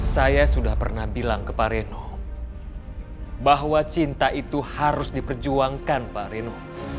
saya sudah pernah bilang ke pak reno bahwa cinta itu harus diperjuangkan pak reno